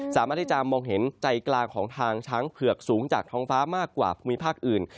สามารถที่จะมองเห็นใจกลางของทางช้างเผือกสูงจากท้องฟ้ามากกว่าภูมิภาคอื่น